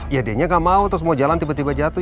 ya dianya gak mau terus mau jalan tiba tiba jatuh